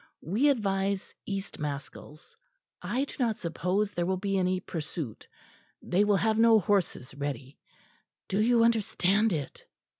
We advise East Maskells. I do not suppose there will be any pursuit. They will have no horses ready. Do you understand it?"